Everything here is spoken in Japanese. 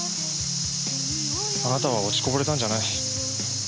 あなたは落ちこぼれたんじゃない。